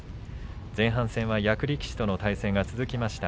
前半戦は役力士との対戦が続きました。